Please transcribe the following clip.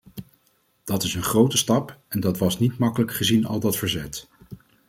Dat is een grote stap, en dat was niet makkelijk, gezien al dat verzet.